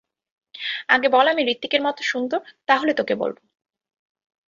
আগে বল আমি হৃতিকের মতো সুন্দর তাহলে তোকে বলব।